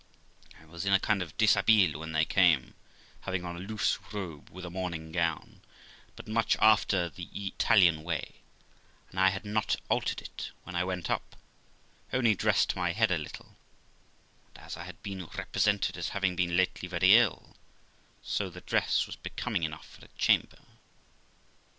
I was in a kind of dishabille when they came, having on a loose robe, like a morning gown, but much after the Italian way; and I had not altered it when I went up, only dressed my head a little; and as I had been represented as having been lately very ill, so the dress was becoming enough for a chamber.